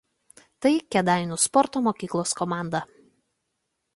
Tai Kėdainių sporto mokyklos komanda.